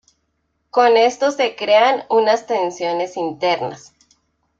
Con esto se crean unas tensiones internas.